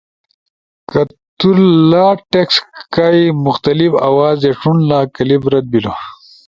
کہ تو لہ ٹیکسٹ کائی مختلف آوازے ݜونلا، کلپ رد بیلو۔